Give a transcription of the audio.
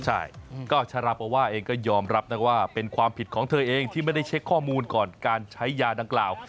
ใช่ก็ชาราปาว่าเองก็ยอมรับนะว่าเป็นความผิดของเธอเองที่ไม่ได้เช็คข้อมูลก่อนการใช้ยาดังกล่าว